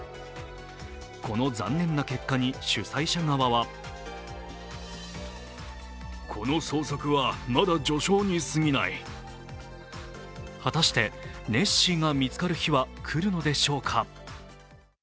この残念な結果に主催者側は果たしてネッシーは見つかる日は来るのでしょうか。